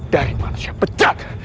dari manusia pecat